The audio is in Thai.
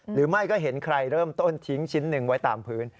หรือไม่ก็เห็นใครเริ่มต้นทิ้งชิ้นหนึ่งไว้ตามพื้น